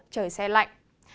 trời sẽ lạnh